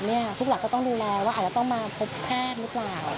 ทุกหลักก็ต้องดูแลว่าอาจจะต้องมาพบแพทย์หรือเปล่า